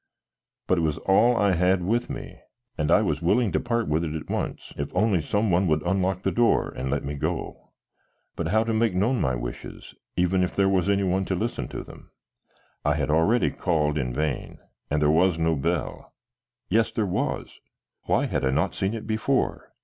But it was all I had with me, and I was willing to part with it at once if only some one would unlock the door and let me go. But how to make known my wishes even if there was any one to listen to them? I had already called in vain, and there was no bell yes, there was; why had I not seen it before?